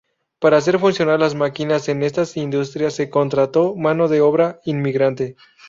Para hacer funcionar las máquinas en estas industrias se contrató mano de obra inmigrante.